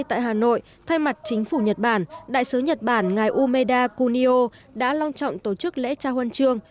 tại hà nội thay mặt chính phủ nhật bản đại sứ nhật bản ngài umeda kunio đã long trọng tổ chức lễ trao huân chương